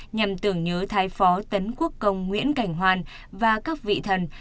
nhằm tưởng nhớ thái phó tấn quốc công nguyễn cảnh hoàn và các vị thần